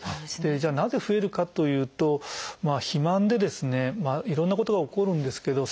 じゃあなぜ増えるかというと肥満でですねいろんなことが起こるんですけど